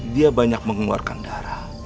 dia banyak mengeluarkan darah